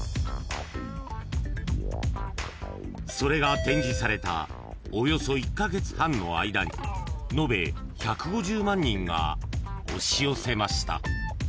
［それが展示されたおよそ１カ月半の間にのべ１５０万人が押し寄せました］